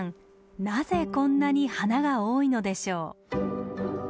なぜこんなに花が多いのでしょう？